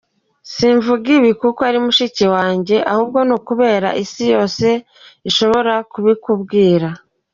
Simvuga ibi kuko ari mushiki wanjye, ahubwo ni ukubera Isi yose ishobora kubikubwira.